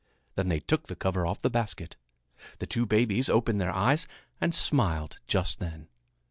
Then they took the cover off the basket. The two babies opened their eyes and smiled just then.